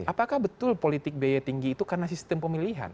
apakah betul politik biaya tinggi itu karena sistem pemilihan